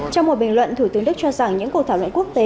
trong một bình luận thủ tướng đức cho rằng những cuộc thảo luận quốc tế